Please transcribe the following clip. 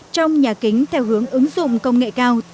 trong nhà kính theo hướng ứng dụng công nghệ cao